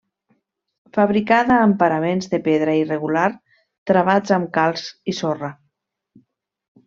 Fabricada amb paraments de pedra irregular travats amb calç i sorra.